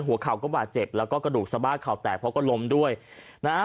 เข่าก็บาดเจ็บแล้วก็กระดูกสะบ้าเข่าแตกเพราะก็ล้มด้วยนะฮะ